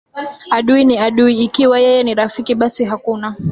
adui ni adui Ikiwa yeye ni rafiki basi hakuna